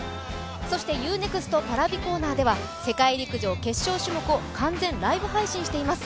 そしてＵ−ＮＥＸＴＰａｒａｖｉコーナーでは世界陸上決勝種目を完全ライブ配信しています